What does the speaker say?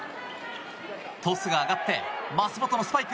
トスが上がって舛本のスパイク。